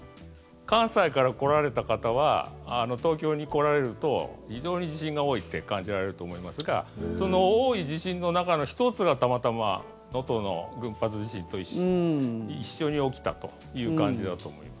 関西から来られた方は東京に来られると非常に地震が多いって感じられると思いますがその多い地震の中の１つがたまたま能登の群発地震と一緒に起きたという感じだと思います。